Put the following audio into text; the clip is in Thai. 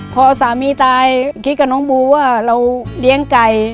พอสามีตายคิดกับน้องบูว่าเราเลี้ยงไก่